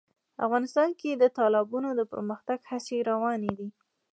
افغانستان کې د تالابونه د پرمختګ هڅې روانې دي.